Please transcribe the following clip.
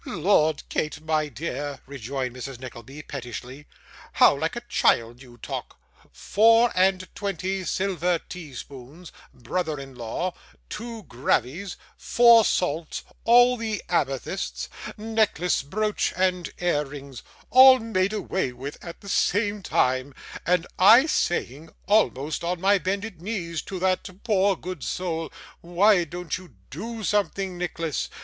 'Lord, Kate, my dear,' rejoined Mrs. Nickleby, pettishly, 'how like a child you talk! Four and twenty silver tea spoons, brother in law, two gravies, four salts, all the amethysts necklace, brooch, and ear rings all made away with, at the same time, and I saying, almost on my bended knees, to that poor good soul, "Why don't you do something, Nicholas?